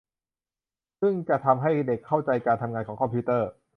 ซึ่งจะทำให้เด็กเข้าใจการทำงานของคอมพิวเตอร์